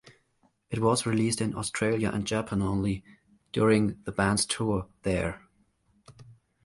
It was released in Australia and Japan only, during the band's tour there.